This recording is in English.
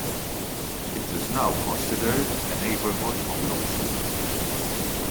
It is now considered a neighborhood of Louisville.